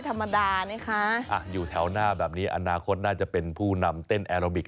ถ้าอยู่แถวนั้นจะต้องเป็นผู้นำเต้นอาราบีก